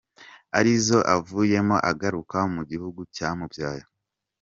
Ari zo avuyemo agaruka mu gihugu cya mubyaye.